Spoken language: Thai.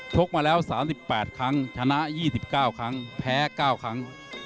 กมาแล้ว๓๘ครั้งชนะ๒๙ครั้งแพ้๙ครั้ง